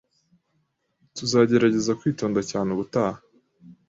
Tuzagerageza kwitonda cyane ubutaha